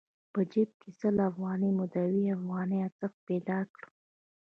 په جېب کې سل افغانۍ مو د يوې افغانۍ ارزښت پيدا کړ.